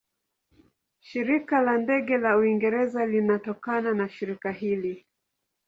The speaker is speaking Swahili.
Shirika la Ndege la Uingereza linatokana na shirika hili.